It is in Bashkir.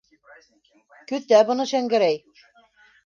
Көтә быны Шәңгәрәй.